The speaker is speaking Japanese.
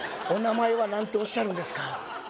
お名前は何とおっしゃるんですか？